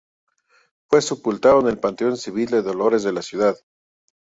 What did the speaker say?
Fue sepultado en el Panteón Civil de Dolores de la ciudad.